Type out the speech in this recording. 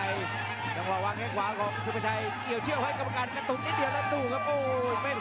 ยัดเข้าไปอีกทีครับ